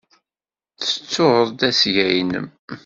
Tettud-d asga-nnem.